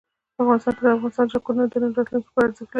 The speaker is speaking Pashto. افغانستان کې د افغانستان جلکو د نن او راتلونکي لپاره ارزښت لري.